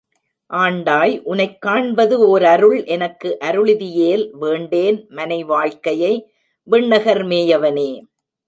ஆண்டாய் உனைக் காண்பது ஓர் அருள் எனக்கு அருளிதியேல் வேண்டேன் மனை வாழ்க்கையை விண்ணகர் மேயவனே!